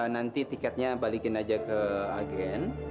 nanti tiketnya balikin aja ke agen